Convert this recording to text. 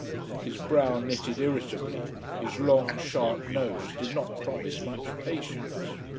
His brow knitted irritably, his long, sharp nose did not promise much patience.